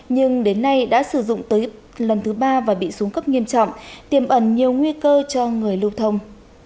nhưng đến nay đã sử dụng tới lần thứ ba và bị xuống cấp nghiêm trọng tiềm ẩn nhiều nguy cơ cho người lưu thông